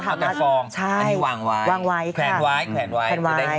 เอาแต่ฟองอันนี้วางไว้แขนไว้คือได้แขน